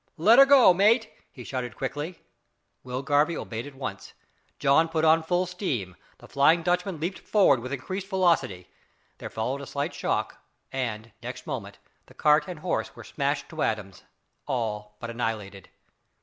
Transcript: "Let her go, mate," he shouted quickly. Will Garvie obeyed at once. John put on full steam, the "Flying Dutchman" leaped forward with increased velocity. Then followed a slight shock, and; next moment, the cart and horse were smashed to atoms all but annihilated!